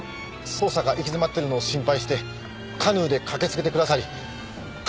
捜査が行き詰まっているのを心配してカヌーで駆けつけてくださり感激です。